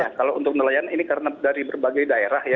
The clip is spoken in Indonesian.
ya kalau untuk nelayan ini karena dari berbagai daerah ya